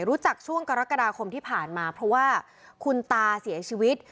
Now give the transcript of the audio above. รู้จักช่วงกรกฎาคมที่ผ่านมาเพราะว่าคุณตาเสียชีวิต